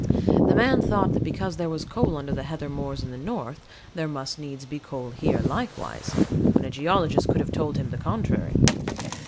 The man thought that because there was coal under the heather moors in the North, there must needs be coal here likewise, when a geologist could have told him the contrary.